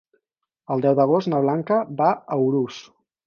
El deu d'agost na Blanca va a Urús.